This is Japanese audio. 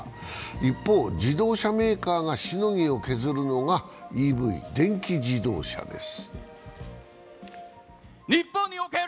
一方、自動車メーカーがしのぎを削るのがＥＶ＝電気自動車です。